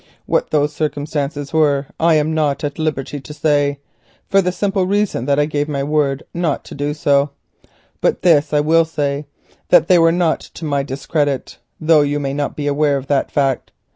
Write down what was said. What those circumstances were I am not at liberty to say, for the simple reason that I gave my word not to do so; but this I will say, that they were not to my discredit, though you may not be aware of that fact.